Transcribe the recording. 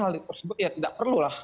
hal tersebut ya tidak perlu lah